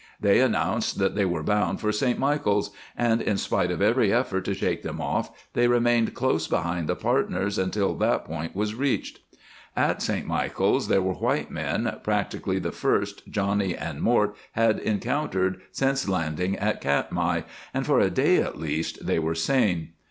They announced that they were bound for St. Michaels, and in spite of every effort to shake them off they remained close behind the partners until that point was reached. At St. Michaels there were white men, practically the first Johnny and Mort had encountered since landing at Katmai, and for a day at least they were sane.